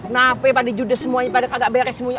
nape pada judul semuanya pada kagak beres semuanya